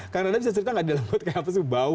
karena anda bisa cerita nggak di dalam got kayak apa sih